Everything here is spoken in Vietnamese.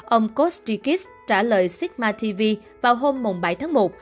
ông kostikis trả lời sigma tv vào hôm bảy tháng một